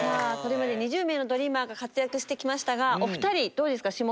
これまで２０名のドリーマーが活躍してきましたがお二人どうですか？